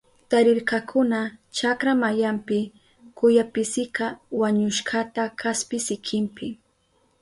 Tarirkakuna chakra mayanpi kuyapisika wañushkata kaspi sikinpi.